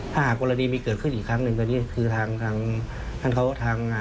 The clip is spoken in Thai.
ถ้าหากกรณะนี้มีเกิดขึ้นอีกครั้งหนึ่ง